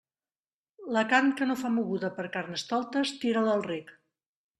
La carn que no fa moguda per Carnestoltes tira-la al rec.